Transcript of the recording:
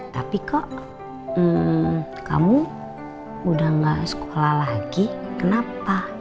tapi kok kamu udah gak sekolah lagi kenapa